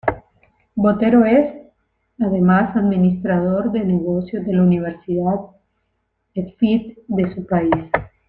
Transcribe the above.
Botero es, además, Administrador de Negocios de la Universidad Eafit, de su país.